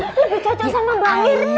ibu cocok sama mbak mirna